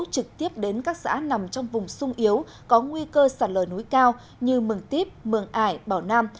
trực tiếp đến các xã nằm trong vùng sung yếu có nguy cơ sạt lở núi cao như mường tiếp mường ải bảo nam